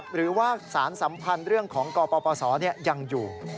หรือว่าสารสัมพันธ์เรื่องของกปศยังอยู่